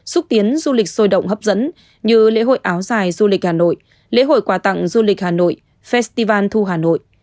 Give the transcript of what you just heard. xúc tiến du lịch sôi động hấp dẫn như lễ hội áo dài du lịch hà nội lễ hội quà tặng du lịch hà nội festival thu hà nội